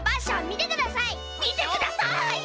みてください！